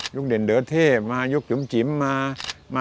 ยุคเด่นเดิร์เทพยุคหยุ่มจิ๋ม